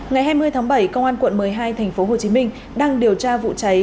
ngày hai mươi tháng bảy công an quận một mươi hai tp hcm đang điều tra vụ cháy